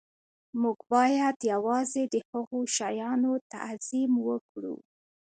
موږ باید یوازې د هغو شیانو تعظیم وکړو